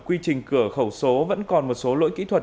quy trình cửa khẩu số vẫn còn một số lỗi kỹ thuật